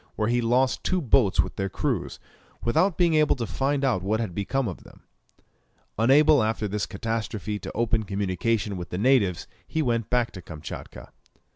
where he lost two boats with their crews, without being able to find out what had become of them. Unable after this catastrophe to open communication with the natives, he went back to Kamtchatka.